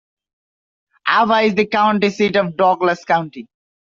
Ava is the county seat of Douglas County.